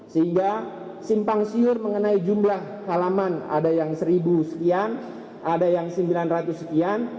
sehingga simpang siur mengenai jumlah halaman ada yang seribu sekian ada yang sembilan ratus sekian